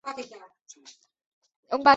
白斑小孔蟾鱼的图片